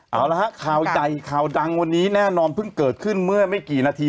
เอาละฮะข่าวใหญ่ข่าวดังวันนี้แน่นอนเพิ่งเกิดขึ้นเมื่อไม่กี่นาที